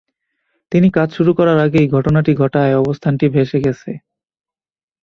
তিনি কাজ শুরু করার আগেই, ঘটনাটি ঘটায় অবস্থানটি ভেসে গেছে।